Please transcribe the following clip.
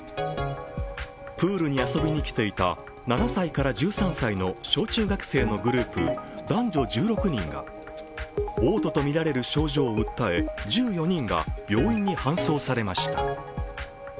プールに遊びに来ていた７歳から１３歳の小中学生のグループ男女１６人がおう吐とみられる症状を訴え１４人が病院に搬送されました。